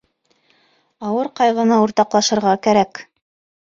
Ауыр ҡайғыны уртаҡлашырға кәрәк.